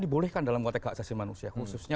dibolehkan dalam konteks keaksesan manusia khususnya